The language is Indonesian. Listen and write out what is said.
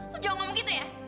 lo jongom gitu ya